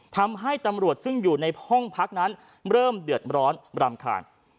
ทำให้ตำรวจซึ่งอยู่ในห้องพักนั้นเริ่มเดือดร้อนรำคาญ